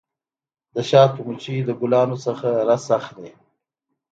د شاتو مچۍ د ګلانو څخه رس اخلي.